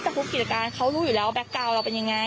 ทุกกิจการเขารู้อยู่แล้วแก๊กกาวน์เราเป็นยังไง